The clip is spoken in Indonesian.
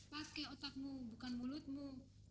pakai otakmu bukan mulutmu